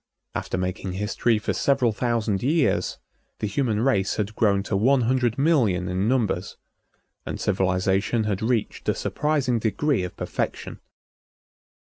After making history for several thousand years, the human race had grown to one hundred million in numbers, and civilization had reached a surprising degree of perfection.